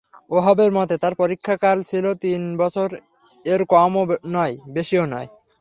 ওহাবের মতে, তার পরীক্ষাকাল ছিল তিন বছর এর কমও নয়, বেশিও নয়।